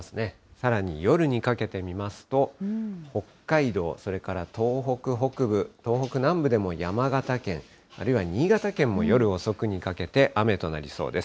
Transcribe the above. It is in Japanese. さらに夜にかけて見ますと、北海道、それから東北北部、東北南部でも山形県、あるいは新潟県も夜遅くにかけて雨となりそうです。